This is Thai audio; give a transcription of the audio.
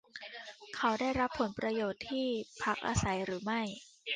เขาได้รับผลประโยชน์ที่พักอาศัยหรือไม่ ?